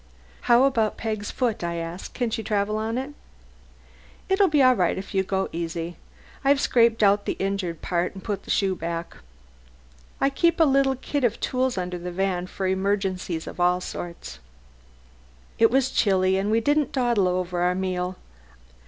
"How about Peg's foot?" I asked. "Can she travel on it?" "It'll be all right if you go easy. I've scraped out the injured part and put the shoe back. I keep a little kit of tools under the van for emergencies of all sorts." It was chilly, and we didn't dawdle over our meal.